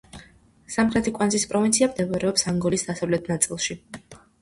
სამხრეთი კვანზის პროვინცია მდებარეობს ანგოლის დასავლეთ ნაწილში.